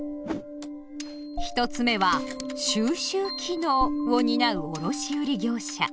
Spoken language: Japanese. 一つ目は「収集機能」を担う卸売業者。